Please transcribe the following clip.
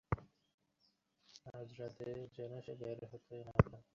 কাদেরের মাকেও মূল বাড়ির একতলায় থাকতে দেয়া হয়েছে।